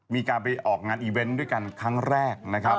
มีการไปออกงานอีเวนต์ด้วยกันครั้งแรกนะครับ